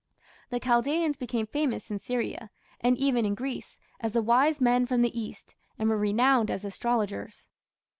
The Chaldaeans became famous in Syria, and even in Greece, as "the wise men from the east", and were renowned as astrologers.